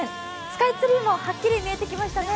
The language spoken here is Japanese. スカイツリーもはっきり見えてきましたね。